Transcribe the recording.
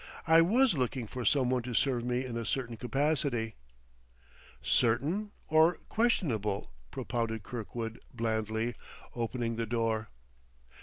"I was looking for some one to serve me in a certain capacity " "Certain or questionable?" propounded Kirkwood blandly, opening the door.